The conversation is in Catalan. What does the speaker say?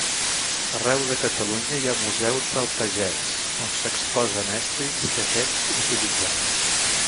Arreu de Catalunya hi ha museus del pagès, on s'exposen estris que aquest utilitzava.